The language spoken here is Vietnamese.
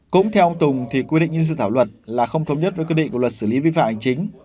cũng theo ông tùng thì quy định như dự thảo luật là không thống nhất với quy định của luật xử lý vi phạm hành chính